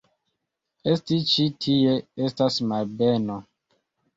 Esti ĉi tie estas malbeno.